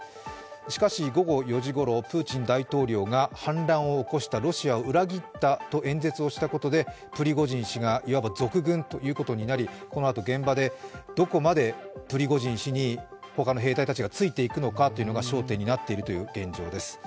しかし午後４時ごろ、プーチン大統領が反乱を起こした、裏切ったと演説をしたことでプリゴジン氏がいわば賊軍ということになりどこまでプリゴジン氏にほかの兵隊たちがついていくのかということが、焦点になっているという現状です。